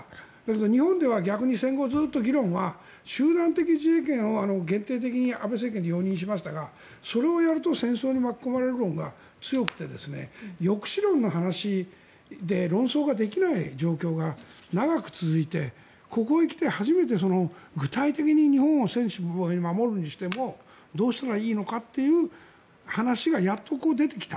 日本では逆に、戦後ずっと議論は集団的自衛権を限定的に安倍政権で容認しましたがそれをやると戦争に巻き込まれるのが強くて抑止力の話で論争ができない状況が長く続いてここへきて初めて具体的に日本を専守防衛に守るにしてもどうしたらいいのかという話がやっと出てきた。